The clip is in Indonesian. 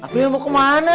april mau ke mana